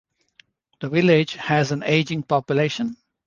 The village has an aging population.